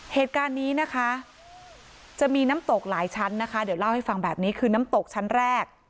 เหตุการณ์นี้นะคะจะมีน้ำตกหลายชั้นนะคะเดี๋ยวเล่าให้ฟังแบบนี้คือน้ำตกชั้นแรก